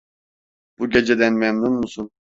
Bu geceden memnun musun?